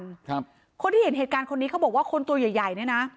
ครับคนที่เห็นเหตุการณ์คนนี้เขาบอกว่าคนตัวใหญ่ใหญ่เนี้ยนะ